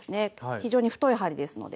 非常に太い針ですので。